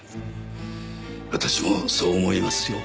私もそう思いますよ。